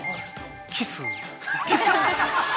キス。